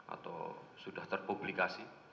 atau sudah terpublikasi